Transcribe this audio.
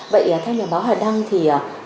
vậy theo nhà báo hà đăng thì